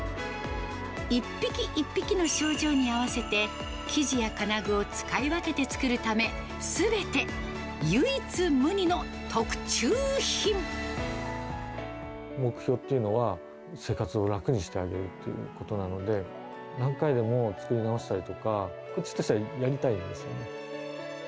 一匹一匹の症状に合わせて、生地や金具を使い分けて作るため、すべて、目標というのは、生活を楽にしてあげるということなので、何回でも作り直したりとか、こっちとしてはやりたいんですよ